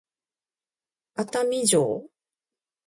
熱海城